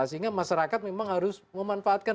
sehingga masyarakat memang harus memanfaatkan